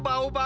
apaan tuh ini